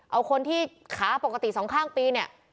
เอาคนที่ขาปกติสองข้างปีเนี่ย